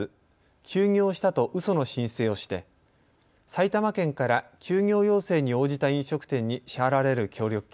休業したとうその申請をして埼玉県から休業要請に応じた飲食店に支払われる協力金